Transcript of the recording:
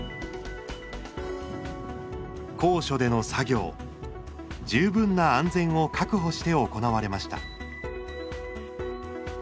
高所での作業、十分な安全を確保して行われました。